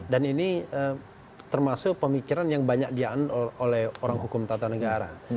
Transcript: dan ini termasuk pemikiran yang banyak diaan oleh orang hukum tata negara